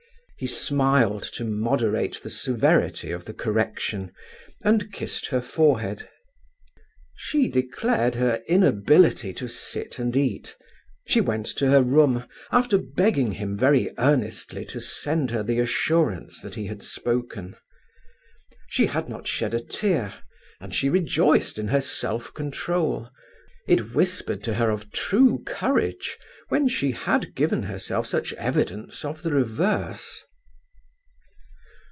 He smiled to moderate the severity of the correction, and kissed her forehead. She declared her inability to sit and eat; she went to her room, after begging him very earnestly to send her the assurance that he had spoken. She had not shed a tear, and she rejoiced in her self control; it whispered to her of true courage when she had given herself such evidence of the reverse.